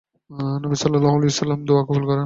নবী সাল্লাল্লাহু আলাইহি ওয়াসাল্লামের দুআ কবুল হল।